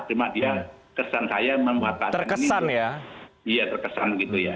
cuma dia kesan saya membuat bahwa ini terkesan